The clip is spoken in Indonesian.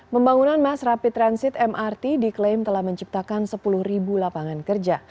pembangunan mass rapid transit mrt diklaim telah menciptakan sepuluh lapangan kerja